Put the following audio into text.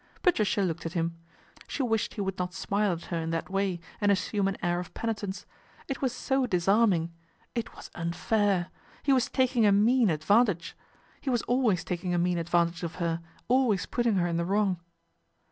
Patricia looked at him. She wished he would not smile at her in that way and assume an air of penitence. It was so disarming. It was unfair. He was taking a mean advantage. He was always taking a mean advantage of her, always putting her in the wrong.